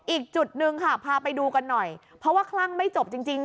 อีกจุดหนึ่งค่ะพาไปดูกันหน่อยเพราะว่าคลั่งไม่จบจริงจริง